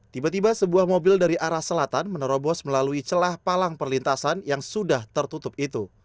tiba tiba sebuah mobil dari arah selatan menerobos melalui celah palang perlintasan yang sudah tertutup itu